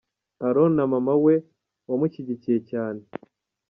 Aaron na mama we wamushyigikiye cyane.